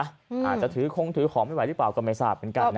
อาจจะถือคงถือของไม่ไหวหรือเปล่าก็ไม่ทราบเหมือนกันนะ